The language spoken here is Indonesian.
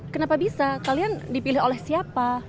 kenapa bisa kalian dipilih oleh siapa